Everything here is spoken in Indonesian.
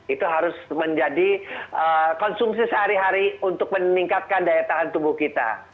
itu harus menjadi konsumsi sehari hari untuk meningkatkan daya tahan tubuh kita